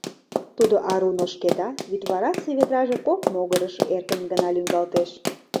Тудо арун ошкеда, вӱдварасе ведраже кок могырыш эркын гына лӱҥгалтеш...